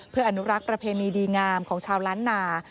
เพื่ออนุรักษ์ประเพณีดีงามของชาวล้านนา